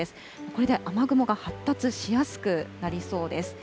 これで雨雲が発達しやすくなりそうです。